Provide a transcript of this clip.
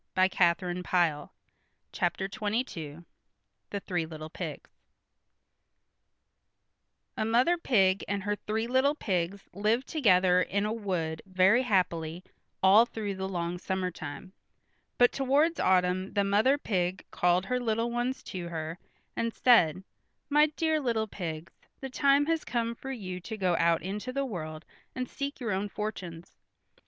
[Illustration: The Three Little Pigs] THE THREE LITTLE PIGS A mother pig and her three little pigs lived together in a wood very happily all through the long summertime, but towards autumn the mother pig called her little ones to her and said, "My dear little pigs, the time has come for you to go out into the world and seek your own fortunes.